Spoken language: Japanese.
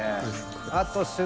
あと。